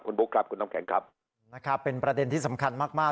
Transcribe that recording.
คุณบุ๊คครับคุณน้ำแข็งครับนะครับเป็นประเด็นที่สำคัญมากมาก